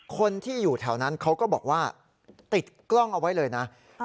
คนที่อยู่แถวนั้นเขาก็บอกว่าติดกล้องเอาไว้เลยนะ